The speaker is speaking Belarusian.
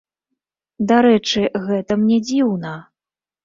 Дарэчы, гэта мне дзіўна.